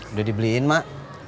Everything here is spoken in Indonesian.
udah dibeliin emak